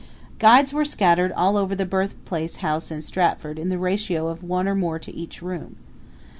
Guides were scattered all over the birthplace house in Stratford in the ratio of one or more to each room.